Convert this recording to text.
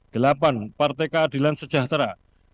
delapan partai keadilan sejahtera